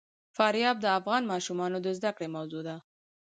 فاریاب د افغان ماشومانو د زده کړې موضوع ده.